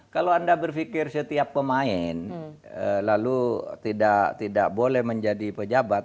kalau anda berpikir setiap pemain lalu tidak boleh menjadi pejabat